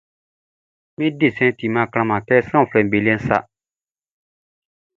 Mi desɛnʼn timan klanman kɛ sran uflɛʼm be liɛʼn sa.